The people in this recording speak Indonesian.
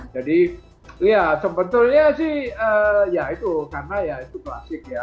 jadi ya sebetulnya sih ya itu karena ya itu klasik ya